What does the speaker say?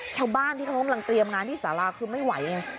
ชาวบ้านที่เขากำลังเตรียมงานที่สาราคือไม่ไหวไง